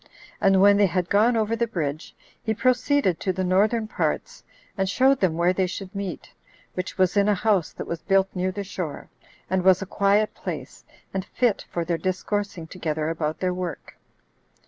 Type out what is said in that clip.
And when they had gone over the bridge, he proceeded to the northern parts, and showed them where they should meet, which was in a house that was built near the shore, and was a quiet place, and fit for their discoursing together about their work.